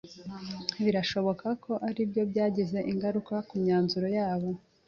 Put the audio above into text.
Birashoboka ko aribyo byagize ingaruka kumyanzuro yabo.